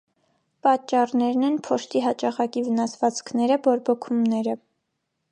Պատճառներն են՝ փոշտի հաճախակի վնասվածքները, բորբոքումները։